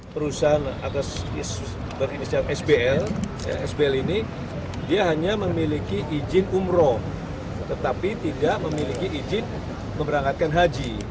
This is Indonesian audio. perusahaan atas berinisial sbl sbl ini dia hanya memiliki izin umroh tetapi tidak memiliki izin memberangkatkan haji